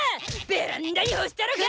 ベランダに干したろかい！